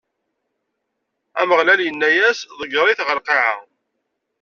Ameɣlal inna-as: Ḍegger-it ɣer lqaɛa!